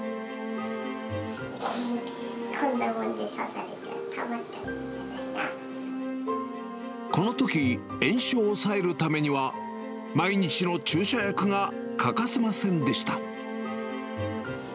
こんなので刺されたら、このとき、炎症を抑えるためには、毎日の注射薬が欠かせませんでした。